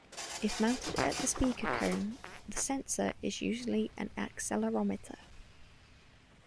If mounted at the speaker cone, the sensor is usually an accelerometer.